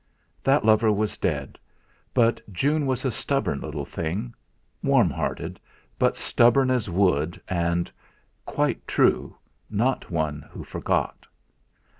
That lover was dead; but June was a stubborn little thing; warm hearted, but stubborn as wood, and quite true not one who forgot!